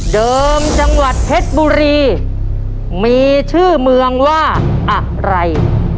จังหวัดเพชรบุรีมีชื่อเมืองว่าอะไร